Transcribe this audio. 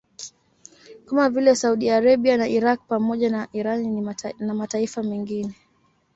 Kama vile Saudi Arabia na Iraq pamoja na Irani na mataifa mengine